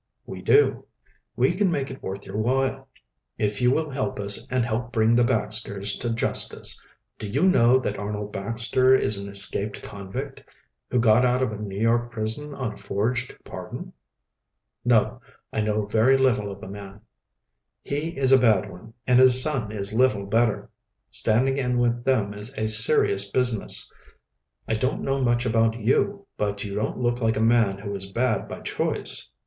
"We do. We can make it worth your while, if you will help us and help bring the Baxters to justice. Do you know that Arnold Baxter is an escaped convict, who got out of a New York prison on a forged pardon?" "No, I know very little of the man." "He is a bad one, and his son is little better. Standing in with them is a serious business. I don't know much about you, but you don't look like a man who is bad by choice."